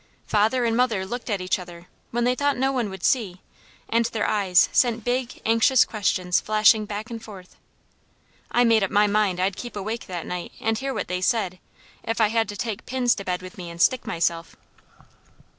Father and mother looked at each other, when they thought no one would see, and their eyes sent big, anxious questions flashing back and forth. I made up my mind I'd keep awake that night and hear what they said, if I had to take pins to bed with me and stick myself.